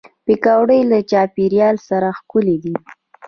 پکورې له چاپېریال سره ښکلي دي